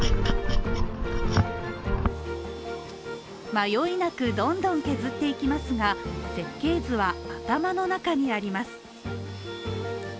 迷いなくどんどん削っていきますが設計図は頭の中にあります。